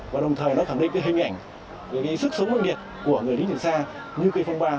và đồng thời nó khẳng định hình ảnh sức sống nguyên liệt của người lính trường sa như cây phong ba